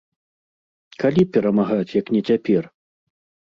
Калі перамагаць, як не цяпер?